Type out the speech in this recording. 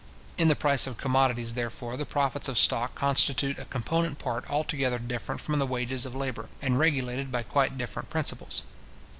In the price of commodities, therefore, the profits of stock constitute a component part altogether different from the wages of labour, and regulated by quite different principles.